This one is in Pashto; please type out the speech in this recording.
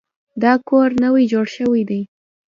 دا کور نوی جوړ شوی دی.